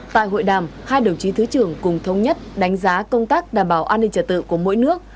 tại hội đàm hai đồng chí thứ trưởng cùng thông nhất đánh giá công tác đảm bảo an ninh trả tự của mỗi nước